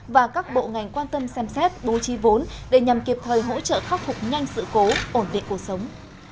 và các bộ ngành quan tâm xem xét bố trí vốn để nhằm kịp thời hỗ trợ khắc phục nhanh sự cố ổn định cuộc sống